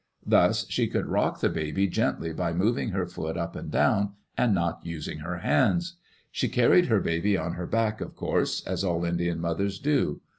Thus she could rock the baby gently by moving her foot up and down and not using her hands. She car ried her baby on her back, of course, as all Indian mothers do.